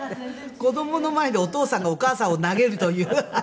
子どもの前でお父さんがお母さんを投げるという。